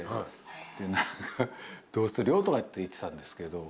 どうするよとかって言ってたんですけど。